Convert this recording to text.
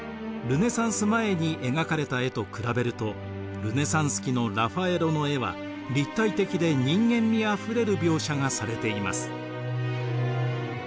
ルネサンス前に描かれた絵と比べるとルネサンス期のラファエロの絵は立体的で人間味あふれる描写がされています。